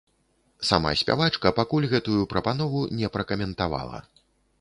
Сама спявачка пакуль гэтую прапанову не пракаментавала.